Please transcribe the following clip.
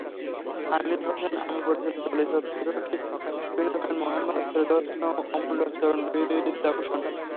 আমির হোসেন আমু পরিচালিত চলচ্চিত্রটিতে অভিনয় করেন মোহাম্মদ ফেরদাউস খান এবং অমূল্যচরণ বিদ্যাভূষণ।